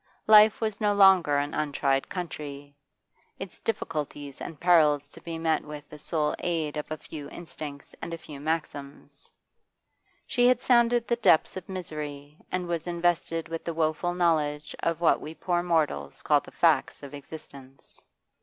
Life was no longer an untried country, its difficulties and perils to be met with the sole aid of a few instincts and a few maxims; she had sounded the depths of misery and was invested with the woeful knowledge of what we poor mortals call the facts of existence.